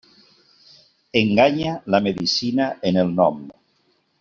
Enganya la medicina en el nom.